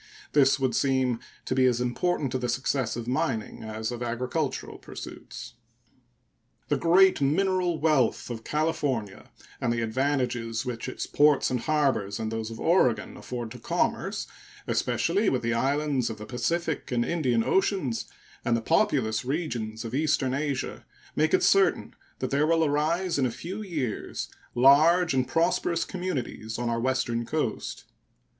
This would seem to be as important to the success of mining as of agricultural pursuits. The great mineral wealth of California and the advantages which its ports and harbors and those of Oregon afford to commerce, especially with the islands of the Pacific and Indian oceans and the populous regions of eastern Asia, make it certain that there will arise in a few years large and prosperous communities on our western coast.